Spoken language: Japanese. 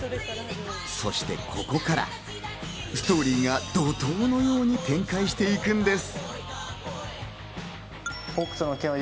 そしてここからストーリーが怒涛のように展開していくんです。